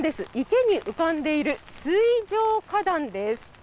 池に浮かんでいる水上花壇です。